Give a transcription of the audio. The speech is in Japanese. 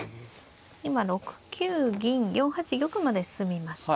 今６九銀４八玉まで進みました。